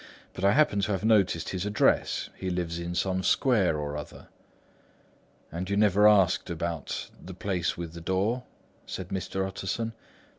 "But I happen to have noticed his address; he lives in some square or other." "And you never asked about the—place with the door?" said Mr. Utterson.